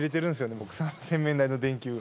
僕洗面台の電球が。